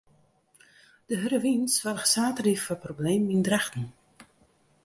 De hurde wyn soarge saterdei foar problemen yn Drachten.